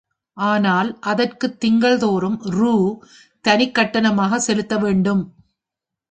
ஆனால், அதற்குத் திங்கள் தோறும் ரூ. தனிக் கட்டணமாகச் செலுத்தவேண்டும்.